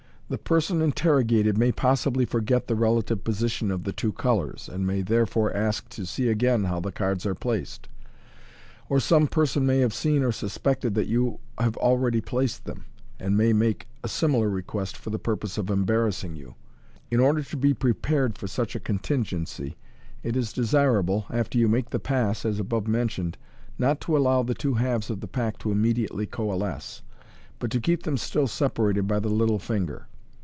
The person interrogated may possibly forget the relative position of the two colours, and may, therefore, ask to see again how the cards are placed ; or some person may have seen or suspected that you have already displaced them, and may make a similar request for the purpose of embarrassing you. In order to be prepared for such a contingency, it is desirable, after you make the pass as above men tioned, not to allow the two halves of the pack to immediately coalesce, but to keep them still separated by the little finger.